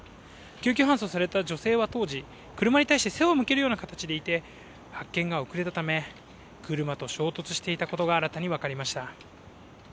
救急搬送された女性は当時、車に対して背を向ける形でいて発見が遅れたため、車と衝突していたことが新たに分かりました。